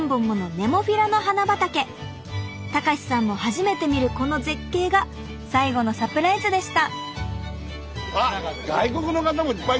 隆さんも初めて見るこの絶景が最後のサプライズでした！